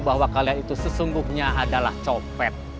bahwa kalian itu sesungguhnya adalah copet